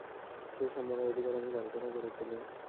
সেই সম্মানের অধিকার আমি কল্পনা করেছিলুম।